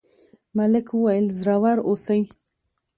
ملک وویل زړور اوسئ.